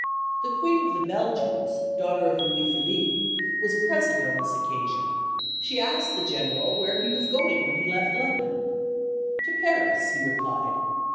The Queen of the Belgians, (daughter of Louis Philippe) was present on this occasion. She asked the General where he was going when he left London? "To Paris," he replied.